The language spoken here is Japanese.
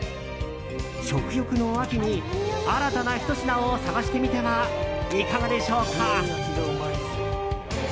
食欲の秋に新たなひと品を探してみてはいかがでしょうか。